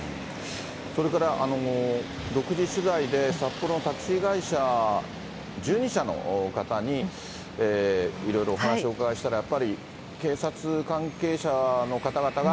それから独自取材で、札幌のタクシー会社、１２社の方にいろいろお話をお伺いしたら、やっぱり警察関係者の方々が、